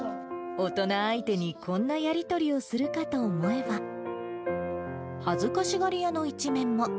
大人相手にこんなやり取りをするかと思えば、恥ずかしがり屋の一面も。